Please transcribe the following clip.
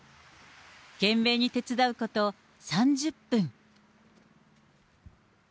懸命に手伝うこと３０分。